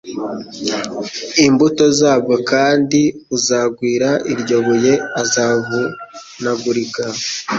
imbuto zabwo Kandi uzagwira iryo buye azavunagurika,